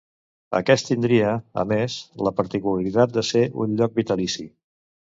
Aquest tindria, a més, la particularitat de ser un lloc vitalici.